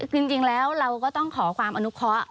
จริงแล้วเราก็ต้องขอความอนุเคาะ